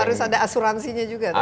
harus ada asuransinya juga